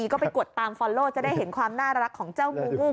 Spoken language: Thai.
ก็ไปกดตามฟอลโลจะได้เห็นความน่ารักของเจ้างูวูบ